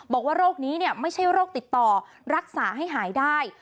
บอกว่าโรคนี้ไม่ใช่โรคติดต่อรักษาให้หายได้